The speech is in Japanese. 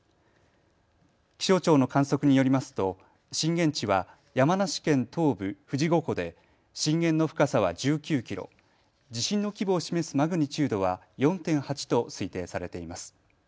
気象庁の観測によりますと震源地は山梨県東部、富士五湖で震源の深さは１９キロ、地震の規模を示すマグニチュードは４．８と推定されています。